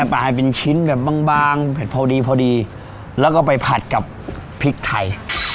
กลายเป็นชิ้นแบบบางเผ็ดพอดีพอดีแล้วก็ไปผัดกับพริกไทย